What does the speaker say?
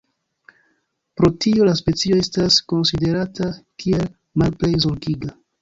Pro tio la specio estas konsiderata kiel "Malplej Zorgiga".